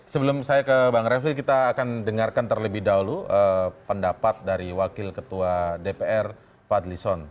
sebelum saya ke bang refli kita akan dengarkan terlebih dahulu pendapat dari wakil ketua dpr fadlison